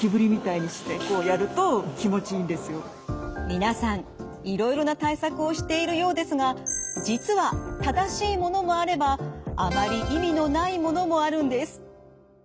皆さんいろいろな対策をしているようですが実は正しいものもあればあまり意味のないものもあるんです。